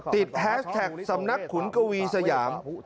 แฮสแท็กสำนักขุนกวีสยาม